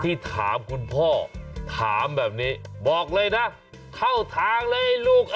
ที่ถามคุณพ่อถามแบบนี้บอกเลยนะเข้าทางเลยลูก